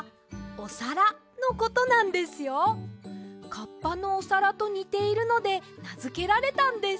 カッパのおさらとにているのでなづけられたんです。